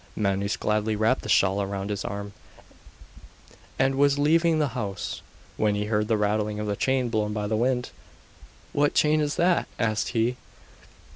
Manus gladly wrapped the shawl round his arm, and was leaving the house, when he heard the rattling of a chain blown by the wind. 'What chain is that?' asked he.